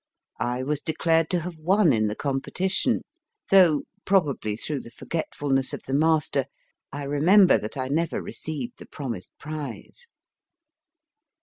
I was declared to have won in the com petition, though, probably through the forgetfulness of the master, I remember that I never received the promised prize.